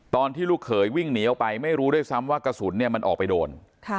ลูกเขยวิ่งหนีออกไปไม่รู้ด้วยซ้ำว่ากระสุนมันออกไปโดน